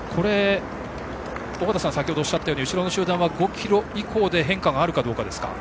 尾方さんが先程おっしゃったように後ろの集団は５ｋｍ以降で変化があるかどうかですか。